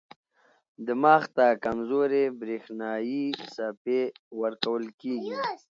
دماغ ته کمزورې برېښنايي څپې ورکول کېږي.